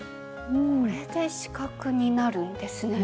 これで四角になるんですね。